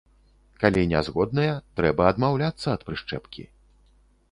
Калі не згодныя, трэба адмаўляцца ад прышчэпкі.